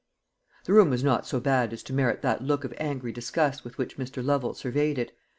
The room was not so bad as to merit that look of angry disgust with which Mr. Lovel surveyed it.